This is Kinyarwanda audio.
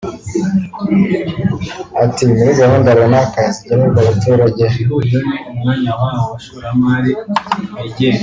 Ati ˝Muri gahunda runaka zigenerwa abaturage